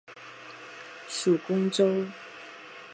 属恭州。